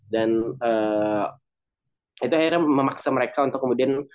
dan itu akhirnya memaksa mereka untuk kemudian